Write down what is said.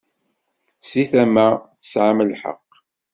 Seg tama, tesɛam lḥeqq.